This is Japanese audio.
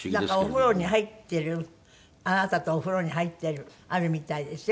お風呂に入ってるあなたとお風呂に入ってるあるみたいですよＶＴＲが。